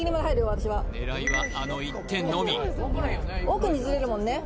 私は狙いはあの一点のみ奥にずれるもんね